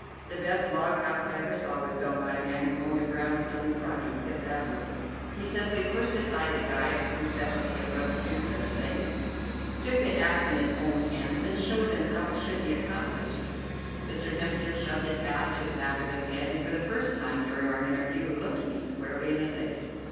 The best log house I ever saw was built by a man who owned a brown stone front on Fifth Avenue. He simply pushed aside the guides whose specialty it was to do such things, took the axe in his own hands, and showed them how it should be accomplished." Mr. Hemster shoved his hat to the back of his head, and for the first time during our interview looked me squarely in the face.